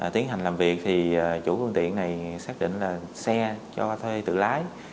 tiến hành làm việc thì chủ phương tiện này xác định là xe cho thuê tự lái